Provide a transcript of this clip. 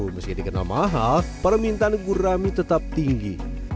meski dikenal mahal permintaan gurami tetap tinggi